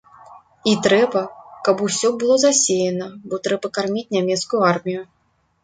І трэба, каб усё было засеяна, бо трэба карміць нямецкую армію.